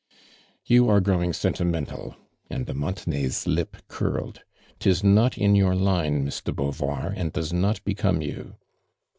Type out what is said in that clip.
" You are growing sentimental," and de Montenay's lip curle<i. " 'Tis not in your line. Miss de Beauvoir, and does not be come you."